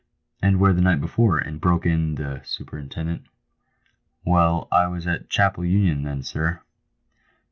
" And where the night before ?" broke in the superintendent. " Well, I was at Whitechapel Union, then, sir."